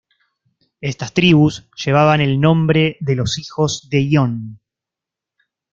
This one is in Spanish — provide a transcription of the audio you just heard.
Estas tribus llevaban el nombre de los hijos de Ion.